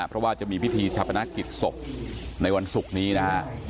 เพราะว่าจะมีพิธีชาปนกิจศพในวันศุกร์นี้นะฮะ